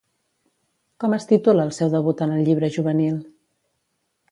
Com es titula el seu debut en el llibre juvenil?